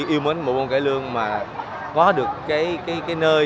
yêu mến của bộ bộ cải lương mà có được cái nơi